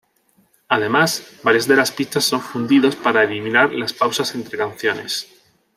Además, varias de las pistas son fundidos para eliminar las pausas entre canciones.